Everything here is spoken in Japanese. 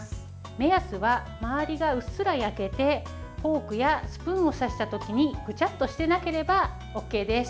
目安は周りがうっすら焼けてフォークやスプーンを刺した時にグチャッとしてなければＯＫです。